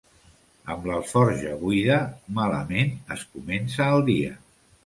Amb l'alforja buida, malament es comença el dia.